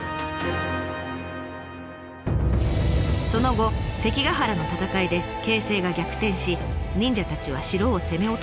その後関ヶ原の戦いで形勢が逆転し忍者たちは城を攻め落とそうとします。